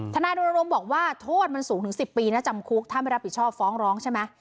ทนายรณรงค์บอกว่าโทษมันสูงถึง๑๐ปีนะจำคุกถ้าไม่รับผิดชอบฟ้องร้องใช่ไหม